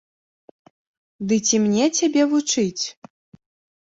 Ды ці мне цябе вучыць?